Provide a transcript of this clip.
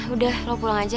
udah lo pulang aja